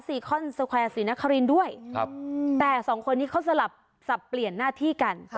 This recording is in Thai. คอนสแควร์ศรีนครินด้วยแต่สองคนนี้เขาสลับสับเปลี่ยนหน้าที่กัน